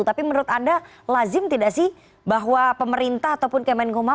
tapi menurut anda lazim tidak sih bahwa pemerintah ataupun kemenkumham